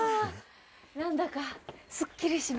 何だかすっきりしました心が。